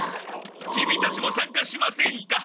キミたちもさんかしませんか？